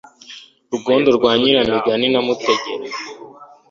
Rugondo rwa Nyiramugina na Mutegera